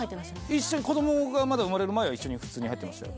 一緒に子供がまだ生まれる前は一緒に普通に入ってましたよ